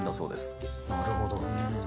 なるほど。